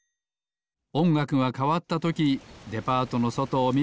おんがくがかわったときデパートのそとをみると。